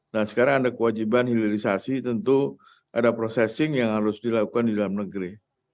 nah sekarang ada kewajiban hilirisasi tentu ada processing yang harus dilakukan di dalam negeri